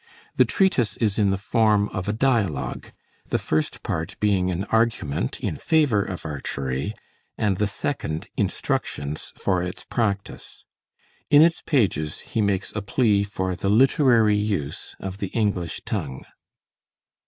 The treatise is in the form of a dialogue, the first part being an argument in favor of archery, and the second, instructions for its practice. In its pages he makes a plea for the literary use of the English tongue.